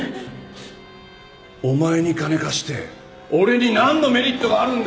お前に金貸して俺になんのメリットがあるんだよ？